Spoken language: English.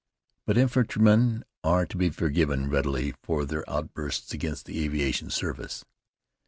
But infantrymen are to be forgiven readily for their outbursts against the aviation service.